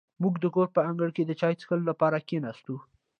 موږ د کور په انګړ کې د چای څښلو لپاره کېناستو.